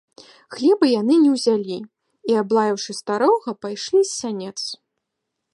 Хлеба яны не ўзялі і, аблаяўшы старога, пайшлі з сянец.